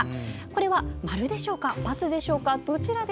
これは、〇でしょうか×でしょうか？